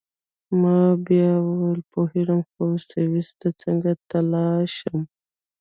ما بیا وویل: پوهیږم، خو سویس ته څنګه تلای شم؟